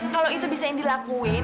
kalau itu bisa indi lakuin